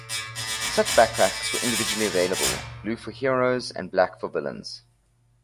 Such backpacks were individually available - blue for heroes and black for villains.